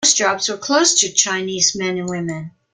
Most jobs were closed to Chinese men and women.